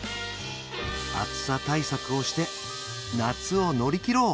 暑さ対策をして夏を乗り切ろう